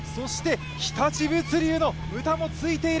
日立物流の牟田もついている。